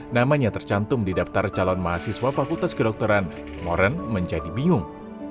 namanya tercantum di daftar calon mahasiswa fakultas kedokteran moren menjadi bingung